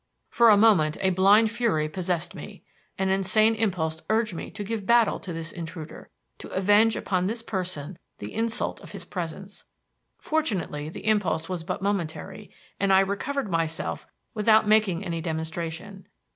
For a moment a blind fury possessed me. An insane impulse urged me to give battle to this intruder; to avenge upon this person the insult of his presence. Fortunately the impulse was but momentary, and I recovered myself without making any demonstration.